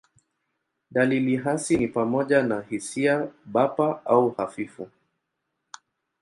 Dalili hasi ni pamoja na hisia bapa au hafifu.